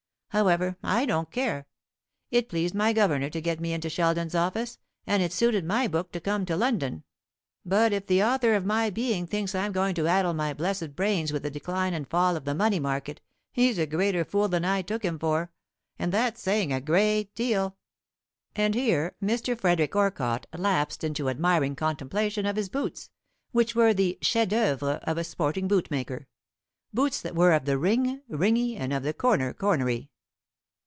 However, I don't care. It pleased my governor to get me into Sheldon's office, and it suited my book to come to London; but if the author of my being thinks I'm going to addle my blessed brains with the decline and fall of the money market, he's a greater fool than I took him for and that's saying a great deal." And here Mr. Frederick Orcott lapsed into admiring contemplation of his boots, which were the chefs d'oeuvre of a sporting bootmaker; boots that were of the ring, ringy, and of the corner, cornery.